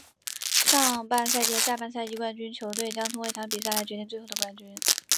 上半赛季和下半赛季冠军球队将通过一场比赛来决定最后的冠军。